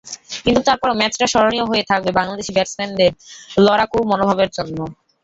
কিন্তু তারপরও ম্যাচটা স্মরণীয় হয়ে থাকবে বাংলাদেশি ব্যাটসম্যানদের লড়াকু মনোভাবের জন্য।